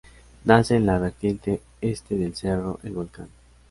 Nace en la vertiente este del Cerro El Volcán.